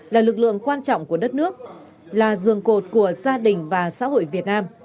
là lực lượng quan trọng của đất nước là giường cột của gia đình và xã hội việt nam